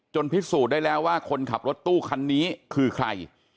พิสูจน์ได้แล้วว่าคนขับรถตู้คันนี้คือใคร